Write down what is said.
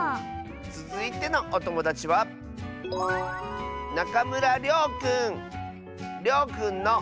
つづいてのおともだちはりょうくんの。